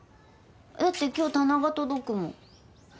だって今日棚が届くもん。